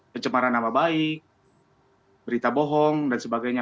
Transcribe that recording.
pencemaran nama baik berita bohong dan sebagainya